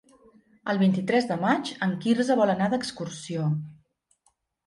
El vint-i-tres de maig en Quirze vol anar d'excursió.